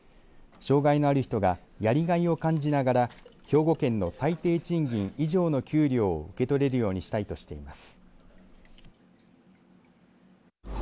障害のある人がやりがいを感じながら兵庫県の最低賃金以上の給料を受け取れるようにしたいとしています。